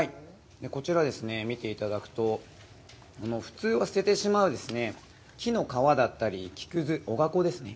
こちらはですね、見ていただくと、普通は捨ててしまう木の皮だったり木くず、おが粉ですね。